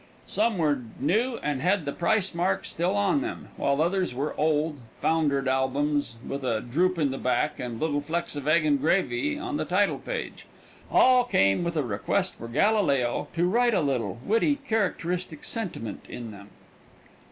Some were new and had the price mark still on them, while others were old, foundered albums, with a droop in the back and little flecks of egg and gravy on the title page. All came with a request for Galileo "to write a little, witty, characteristic sentiment in them."